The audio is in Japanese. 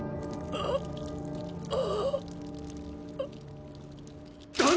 ああ。